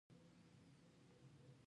هغه زما لاس ټینګ کړ.